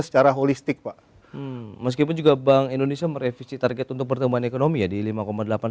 secara holistik pak meskipun juga bank indonesia merevisi target untuk pertumbuhan ekonomi ya di lima delapan